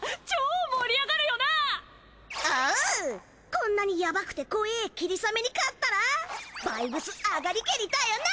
こんなにヤバくてこえぇキリサメに勝ったらバイブス上がりけりだよな？